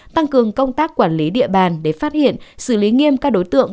tăng cường công tác quản lý địa bàn để phát hiện xử lý nghiêm các đối tượng